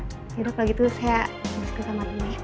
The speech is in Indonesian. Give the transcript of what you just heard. mungkin kalau gitu saya habiskan sama tunggu